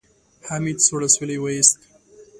حميد سوړ اسويلی وېست.